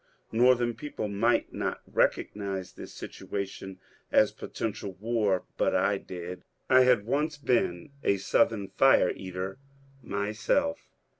Northern people might not recognize this situa tion as potential war, but I did. I had once been a Southern " firewater " myself.